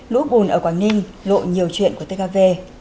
lũ bùn ở quảng ninh lộ nhiều chuyện của tkv